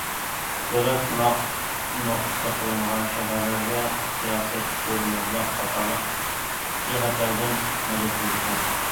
دۆلەت سىناق نۇقتىسى قىلىنغان شەھەرلەرگە سىياسەت، تۈر، مەبلەغ قاتارلىق جەھەتلەردىن مەدەت بېرىدىكەن.